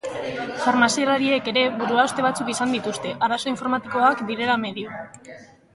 Farmazialariek ere buruhauste batzuk izan dituzte, arazo informatikoak direla medio.